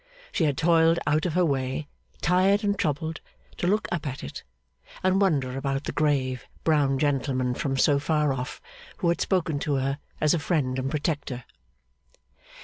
She had toiled out of her way, tired and troubled, to look up at it, and wonder about the grave, brown gentleman from so far off, who had spoken to her as a friend and protector.